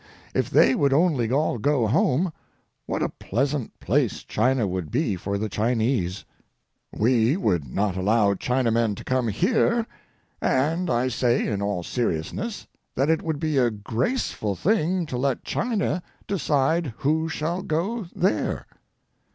If they would only all go home, what a pleasant place China would be for the Chinese! We do not allow Chinamen to come here, and I say in all seriousness that it would be a graceful thing to let China decide who shall go there.